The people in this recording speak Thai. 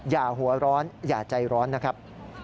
อย่าหัวร้อนอย่าใจร้อนนะครับ